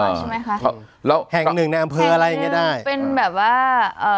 ใช่ไหมคะเราแห่งหนึ่งในอำเภออะไรอย่างเงี้ได้เป็นแบบว่าเอ่อ